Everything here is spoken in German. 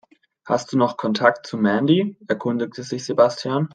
Hast du noch Kontakt zu Mandy?, erkundigte sich Sebastian.